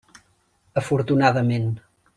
Afortunadament.